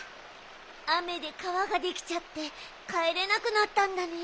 あめでかわができちゃってかえれなくなったんだね。